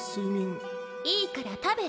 いいから食べて！